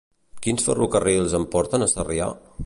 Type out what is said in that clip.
Quins ferrocarrils em porten a Sarrià?